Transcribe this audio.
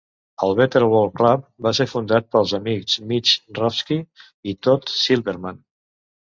El Better World Club va ser fundat pels amics Mitch Rofsky i Todd Silberman.